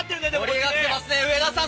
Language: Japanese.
盛り上がってますね、上田さん。